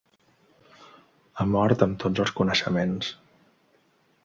Ha mort am tots els coneixements